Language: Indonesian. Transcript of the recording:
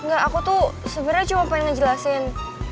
enggak aku tuh sebenernya cuma pengen ngejelasin